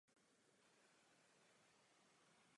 Dvě alegorické sochy představují Náboženství a Lásku.